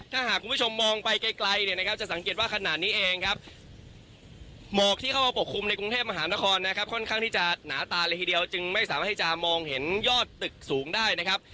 ถ้าหากคุณผู้ชมมองไปไกลเนี่ยนะครับจะสังเกตว่าขณะนี้เองครับหมอกที่เข้ามาปกคลุมในกรุงเทพมหานครนะครับค่อนข้างที่จะหนาตาเลยทีเดียวจึงไม่สามารถให้จะมองเห็นยอดตึกสูงได้นะครับ